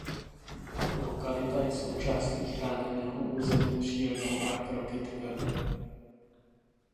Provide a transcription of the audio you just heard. Lokalita je součástí chráněného území Přírodní park Rokytka.